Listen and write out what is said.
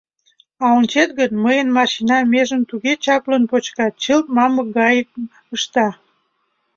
А ончет гын, мыйын машина межым туге чаплын почка, чылт мамык гайым ышта.